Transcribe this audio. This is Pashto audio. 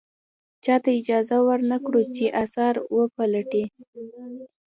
چاته اجازه ور نه کړو چې اثار و پلټنې.